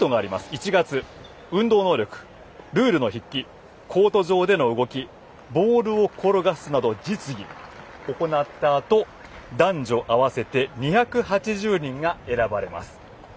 １月、運動能力、ルールの筆記コート上での動きボールを転がすなど実技を行ったあと男女合わせて２８０人が選ばれます。